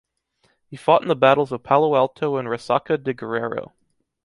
He fought in the battles of Palo Alto and Resaca de Guerrero.